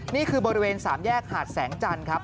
นี่คือบริเวณสามแยกหาดแสงจันทร์ครับ